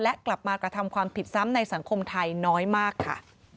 และกลับมากระทำความผิดซ้ำในสังคมไทยน้อยมากค่ะ